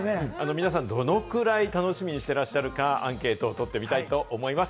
皆さん、どのくらい楽しみにしていらっしゃるか、アンケートを取ってみたいと思います。